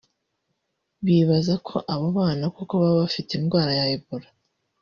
bibaza ko abo bana koko baba bafite indwara ya Ebola